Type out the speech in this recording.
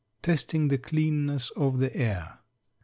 TESTING THE CLEANNESS OF THE AIR.